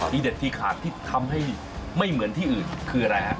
ที่เด็ดที่ขาดที่ทำให้ไม่เหมือนที่อื่นคืออะไรฮะ